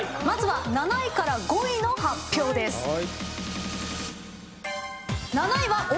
まずは７位から５位の発表です。